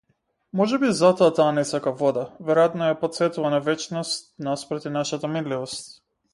Можеби затоа таа не сака вода, веројатно ја потсетува на вечност наспроти нашата минливост.